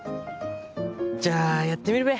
じゃあやってみるべ。